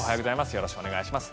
よろしくお願いします。